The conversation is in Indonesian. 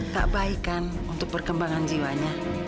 tak baik kan untuk perkembangan jiwanya